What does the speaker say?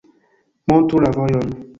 Montru la vojon.